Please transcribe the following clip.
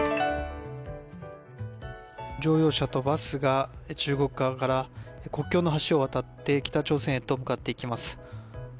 乗用車とバスが中国側から国境の橋を渡って北朝鮮へと向かっていきます。